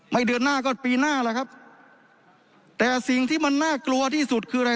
เดือนหน้าก็ปีหน้าแล้วครับแต่สิ่งที่มันน่ากลัวที่สุดคืออะไร